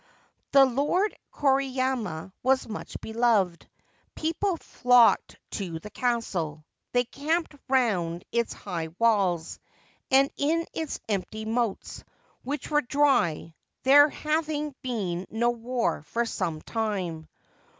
The Lord Koriyama was much beloved. People flocked to the castle. They camped round its high walls, and in its empty moats, which were dry, there having been no war for some time.